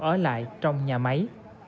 ở lại trong nhà máy